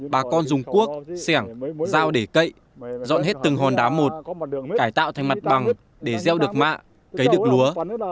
bà con dùng cuốc sẻng dao để cậy dọn hết từng hòn đá một cải tạo thành mặt bằng để gieo được mạ cấy được lúa